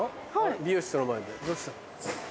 美容室の前でどうした？